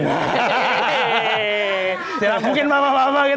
mungkin bapak bapak kita kan